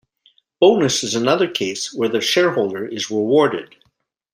Bonus is another case where the shareholder is rewarded.